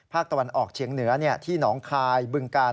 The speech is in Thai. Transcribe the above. ภาคตะวันออกเฉียงเหนือที่หนองคายบึงกาล